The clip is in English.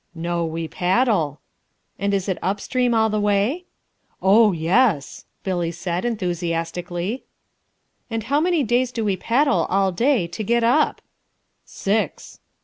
"No, we paddle." "And is it up stream all the way?" "Oh, yes," Billy said enthusiastically. "And how many days do we paddle all day to get up?" "Six."